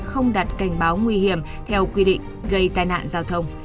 không đặt cảnh báo nguy hiểm theo quy định gây tai nạn giao thông